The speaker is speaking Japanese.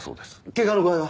怪我の具合は？